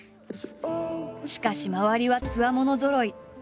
しかし周りはつわものぞろい。